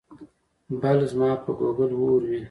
بل ځما په ګوګل اور وي